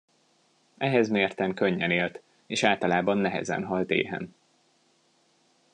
Ehhez mérten könnyen élt, és általában nehezen halt éhen.